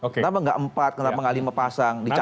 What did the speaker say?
kenapa nggak empat kenapa nggak lima pasang dicalon